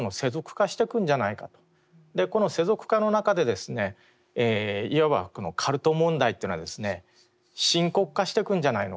この世俗化の中でいわばこのカルト問題っていうのは深刻化してくんじゃないのかと。